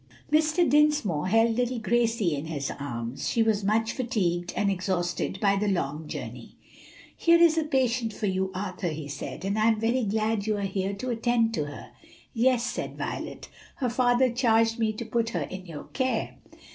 Mr. Dinsmore held little Gracie in his arms. She was much fatigued and exhausted by the long journey. "Here is a patient for you, Arthur," he said, "and I am very glad you are here to attend to her." "Yes," said Violet, "her father charged me to put her in your care."